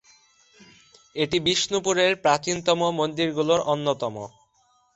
এটি বিষ্ণুপুরের প্রাচীনতম মন্দিরগুলির অন্যতম।